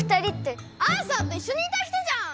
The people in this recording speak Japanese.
アーサーといっしょにいた人じゃん！